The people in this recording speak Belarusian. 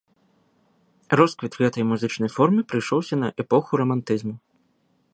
Росквіт гэтай музычнай формы прыйшоўся на эпоху рамантызму.